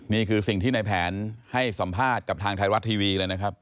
นี่คือสิ่งที่ในแผนให้สัมภาษณ์กับทางไทยรัฐทีวีเลยนะครับ